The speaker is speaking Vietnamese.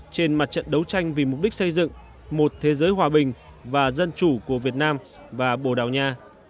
trên mặt trận đấu tranh vì mục đích xây dựng một thế giới hòa bình và dân chủ của việt nam và bồ đào nha